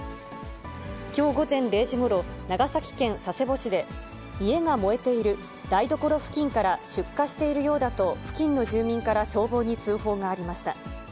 きょう午前０時ごろ、長崎県佐世保市で、家が燃えている、台所付近から出火しているようだと付近の住民から消防に通報がありました。